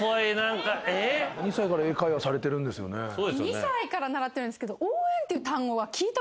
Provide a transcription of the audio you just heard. ２歳から習ってるんですけど。